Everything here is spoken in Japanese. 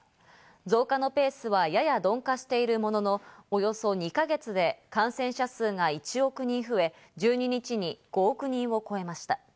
増加のペースはやや鈍化しているものの、およそ２か月で感染者数が１億人増え、１２日に５億人を超えました。